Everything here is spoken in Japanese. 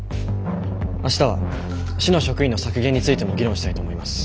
明日は市の職員の削減についても議論したいと思います。